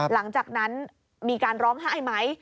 หลังจากนั้นมีการร้องไห้ไหม